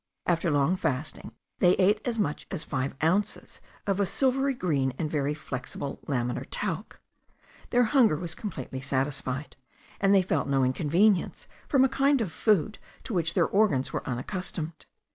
After long fasting they ate as much as five ounces of a silvery green and very flexible laminar talc. Their hunger was completely satisfied, and they felt no inconvenience from a kind of food to which their organs were unaccustomed.